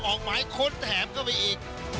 ออกหมายค้นแถมก็มีอีก